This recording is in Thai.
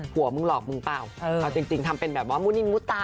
หัวมึงหลอกมึงเปล่าเอาจริงทำเป็นแบบว่ามุนิมุตา